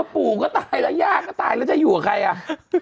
ปู่ก็ตายแล้วย่าก็ตายแล้วจะอยู่กับใครอ่ะ